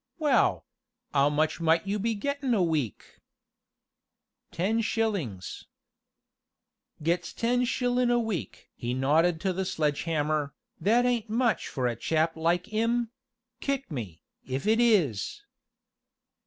"Well 'ow much might you be gettin' a week?" "Ten shillings." "Gets ten shillin' a week!" he nodded to the sledgehammer, "that ain't much for a chap like 'im kick me, if it is!"